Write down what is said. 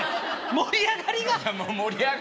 盛り上がりが。